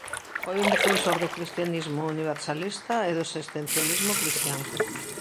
Foi un defensor do cristianismo universalista e do existencialismo cristián.